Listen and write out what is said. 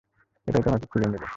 এটাই তোমাকে খুঁজে নেবে।